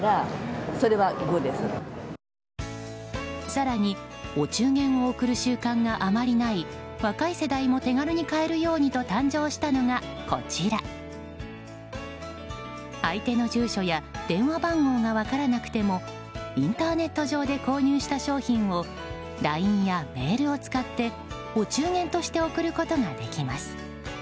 更にお中元を贈る習慣があまりない若い世代も手軽に買えるようにと誕生したのがこちら相手の住所や電話番号が分からなくてもインターネット上で購入した商品をＬＩＮＥやメールを使ってお中元として贈ることができます。